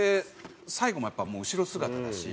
最後もやっぱ後ろ姿だし。